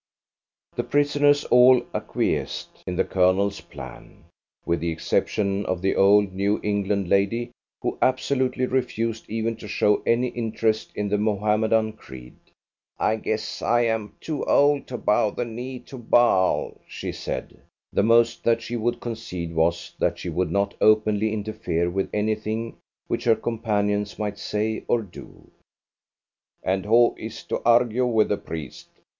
The prisoners all acquiesced in the Colonel's plan, with the exception of the old New England lady, who absolutely refused even to show any interest in the Mohammedan creed. "I guess I am too old to bow the knee to Baal," she said. The most that she would concede was that she would not openly interfere with anything which her companions might say or do. "And who is to argue with the priest?"